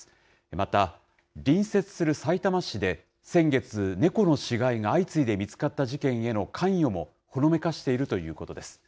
また隣接するさいたま市で、先月、猫の死骸が相次いで見つかった事件への関与もほのめかしているということです。